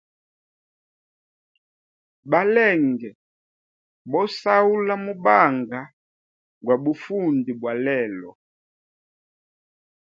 Balenge bo sahula mubanga gwa bufundi bwa lelo.